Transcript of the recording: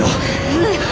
うん！